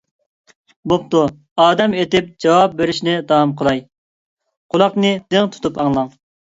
بوپتۇ ئادەم ئېتىپ جاۋاب بېرىشنى داۋام قىلاي. قۇلاقنى دىڭ تۇتۇپ ئاڭلاڭ: